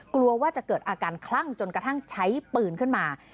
กลัวว่าจะเกิดอาการคลั่งจนกระทั่งใช้ปืนขึ้นมา